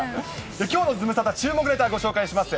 きょうのズムサタ、注目ネタをご紹介します。